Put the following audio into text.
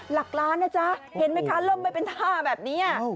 หลักล้านนะจ๊ะเห็นไหมคะล่มไปเป็นท่าแบบนี้